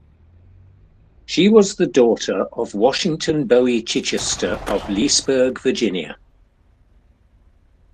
She was the daughter of Washington Bowie Chichester of Leesburg, Virginia.